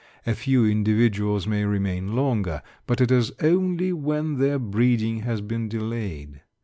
A few individuals may remain longer, but it is only when their breeding has been delayed.